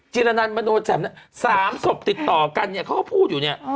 จริลโน้นบานว่าแจกน้ำนักสามศพติดต่อกันเนี่ยเขาก็พูดอยู่เนี่ย